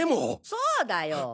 そうだよ！